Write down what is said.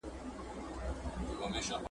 د غوايی سترګي که خلاصي وي نو څه دي ..